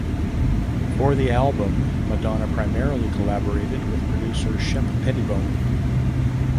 For the album, Madonna primarily collaborated with producer Shep Pettibone.